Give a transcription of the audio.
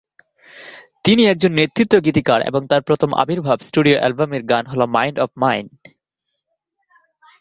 তিনি একজন নেতৃত্ব গীতিকার এবং তার প্রথম আবির্ভাব স্টুডিও অ্যালবাম এর গান হল "মাইন্ড অফ মাইন"।